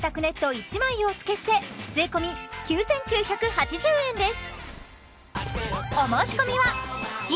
１枚をお付けして税込９９８０円です